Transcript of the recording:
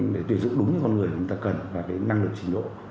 để tuyển dụng đúng như con người chúng ta cần và năng lực trình độ